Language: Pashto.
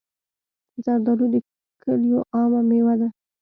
زردالو د کلیو عامه مېوه ده.